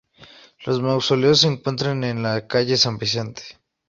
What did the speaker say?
Los mausoleos se encuentran en la calle San Vicente.